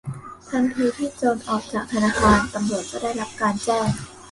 ทันทีที่โจรออกจากธนาคาร ตำรวจก็ได้รับการแจ้ง